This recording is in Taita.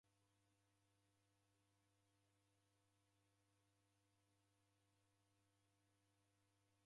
Vindo va idime kwatima kuvideka nicha